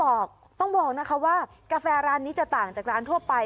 บอกต้องบอกนะคะว่ากาแฟร้านนี้จะต่างจากร้านทั่วไป